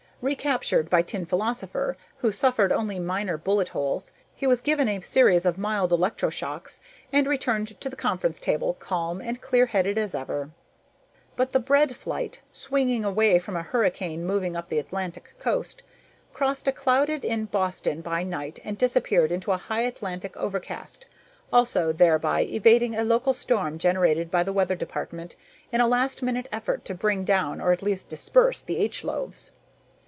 Recaptured by Tin Philosopher, who suffered only minor bullet holes, he was given a series of mild electroshocks and returned to the conference table, calm and clear headed as ever. But the bread flight, swinging away from a hurricane moving up the Atlantic coast, crossed a clouded in Boston by night and disappeared into a high Atlantic overcast, also thereby evading a local storm generated by the Weather Department in a last minute effort to bring down or at least disperse the H loaves.